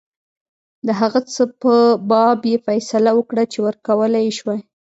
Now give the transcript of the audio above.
د هغه څه په باب یې فیصله وکړه چې ورکولای یې شوای.